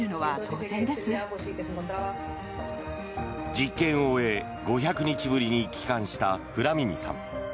実験を終え、５００日ぶりに帰還したフラミニさん。